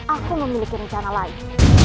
aku memiliki rencana lain